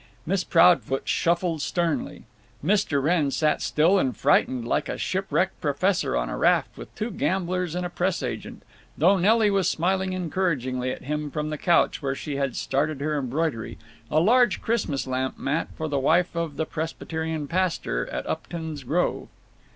Miss Proudfoot shuffled sternly. Mr. Wrenn sat still and frightened, like a shipwrecked professor on a raft with two gamblers and a press agent, though Nelly was smiling encouragingly at him from the couch where she had started her embroidery—a large Christmas lamp mat for the wife of the Presbyterian pastor at Upton's Grove.